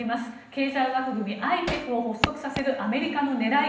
経済枠組みＩＰＥＦを発足させるアメリカの狙い